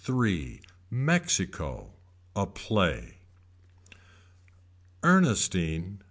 MEXICO A PLAY Ernestine.